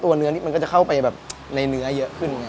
เนื้อนี่มันก็จะเข้าไปแบบในเนื้อเยอะขึ้นไง